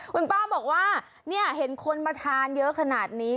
คุณป้าบอกว่าเห็นคนมาทานเยอะขนาดนี้